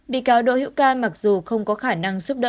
bị cáo đỗ hữu ca mặc dù không có khả năng giúp đỡ